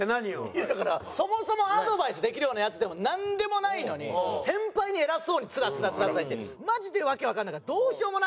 いやだからそもそもアドバイスできるようなヤツでもなんでもないのに先輩に偉そうにつらつらつらつら言ってマジでわけわかんないからどうしようもないんだよ。